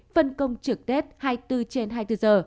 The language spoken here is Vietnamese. phân công trực tết hai mươi bốn trên hai mươi bốn giờ